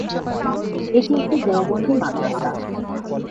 এটি একটি দেওবন্দি মাদ্রাসা।